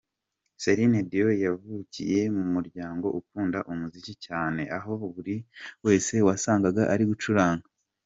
Celine Dion yavukiye mu muryango ukunda umuziki cyane, aho buri wese wasangaga ari gucuranga.